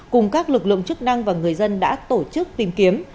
cùng các lực lượng chức năng và người dân đã tổ chức tìm kiếm